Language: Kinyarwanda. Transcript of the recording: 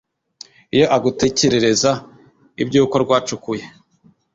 Iyo agutekerereza iby’uko rwacukuye